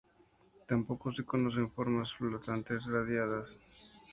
Tampoco se conocen formas flotantes radiadas.